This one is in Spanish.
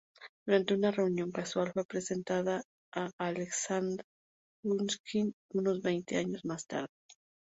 Durante una reunión casual fue presentada a Aleksandr Pushkin unos veinte años más tarde.